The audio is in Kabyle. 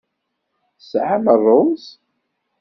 Tesɛam ṛṛuz?